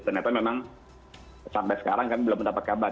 ternyata memang sampai sekarang kami belum mendapat kabar